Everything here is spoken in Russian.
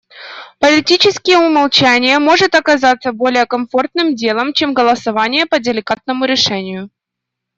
Политически умолчание может оказаться более комфортным делом, чем голосование по деликатному решению.